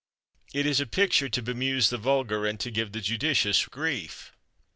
It is a picture to bemuse the vulgar and to give the judicious grief.